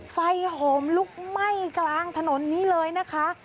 โหมลุกไหม้กลางถนนนี้เลยนะคะ